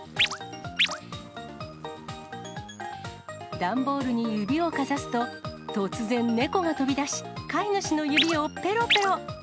段ボールに指をかざすと、突然、猫が飛び出し、飼い主の指をぺろぺろ。